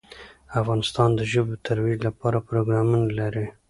افغانستان د ژبو د ترویج لپاره پروګرامونه لري.